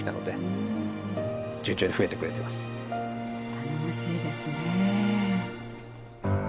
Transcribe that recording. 頼もしいですね。